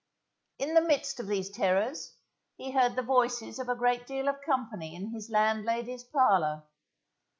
In the midst of these terrors, he heard the voices of a great deal of company in his landlady's parlour.